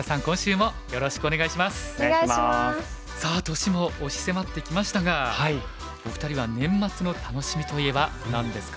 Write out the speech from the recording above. さあ年も押し迫ってきましたがお二人は年末の楽しみといえば何ですか？